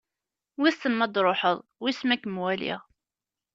Wissen m'ad d-truḥeḍ, wiss m'ad kem-waliɣ.